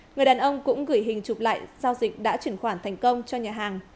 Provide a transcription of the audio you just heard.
người đàn ông cũng gửi hình chụp lại giao dịch đã chuyển khoản thành công cho nhà hàng